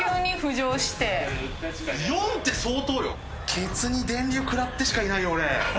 ケツに電流食らってしかいないよ俺。